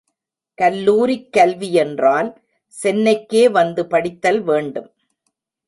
கல்லூரிக் கல்வி யென்றால் சென்னைக்கே வந்து படித்தல் வேண்டும்.